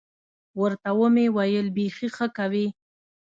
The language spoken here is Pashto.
ورته ومې ویل بيخي ښه کوې.